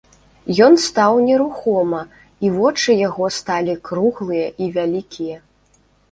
Ён стаў нерухома, і вочы яго сталі круглыя і вялікія.